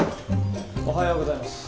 おはようございます。